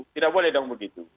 tidak boleh dong begitu